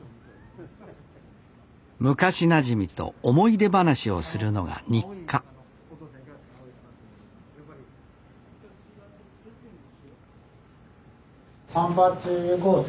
昔なじみと思い出話をするのが日課サンパチ豪雪